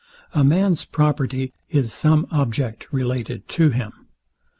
A man's property is some object related to him.